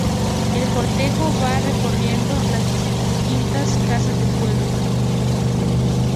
El cortejo va recorriendo las distintas casas del pueblo.